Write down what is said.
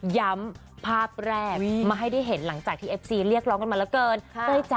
ภาพแรกมาให้ได้เห็นหลังจากที่เอฟซีเรียกร้องกันมาแล้วเกิน